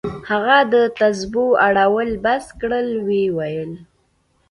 هغه د تسبو اړول بس كړل ويې ويل.